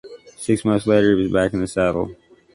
Six months later he was back in the saddle.